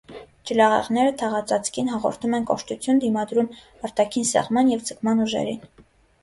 Ջլաղեղները թաղածածկին հաղորդում են կոշտություն, դիմադրում արտաքին սեղմման և ձգման ուժերին։